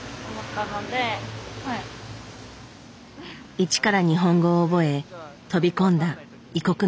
一から日本語を覚え飛び込んだ異国のお笑い界。